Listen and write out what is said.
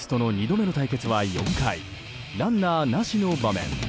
シースとの２度目の対決は４回ランナーなしの場面。